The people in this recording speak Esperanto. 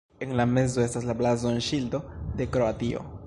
En la mezo estas la blazonŝildo de Kroatio.